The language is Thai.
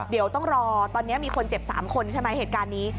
เดี๋ยวต้องรอตอนนี้มีคนเจ็บ๓คนใช่ไหมเหตุการณ์นี้